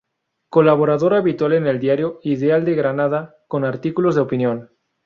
Colaborador habitual en el diario "Ideal de Granada" con artículos de opinión.